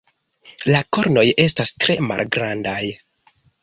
La kornoj estas tre malgrandaj.